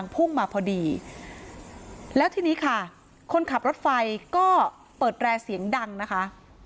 พุ่งมาพอดีแล้วทีนี้ค่ะคนขับรถไฟก็เปิดแร่เสียงดังนะคะ